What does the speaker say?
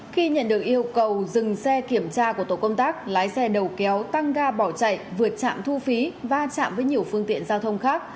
khi nhận được yêu cầu dừng xe kiểm tra của tổ công tác lái xe đầu kéo tăng ga bỏ chạy vượt trạm thu phí va chạm với nhiều phương tiện giao thông khác